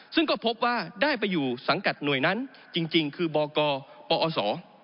ซึ่งก็พบว่าได้ไปอยู่สังกัดหน่วยนั้นจริงคือบกปอศ